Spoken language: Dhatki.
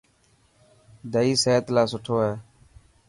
دئي صحت لاءِ سٺو آهي.